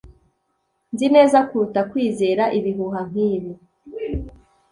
Nzi neza kuruta kwizera ibihuha nkibi.